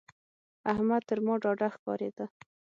احمد تر ما ډاډه ښکارېده.